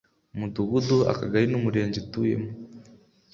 umudugudu akagari n umurenge utuyemo